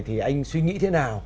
thì anh suy nghĩ thế nào